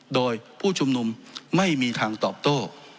โดยผู้ชุมนุมไม่มีทางตอบโต้